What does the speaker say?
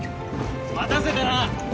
待たせたな！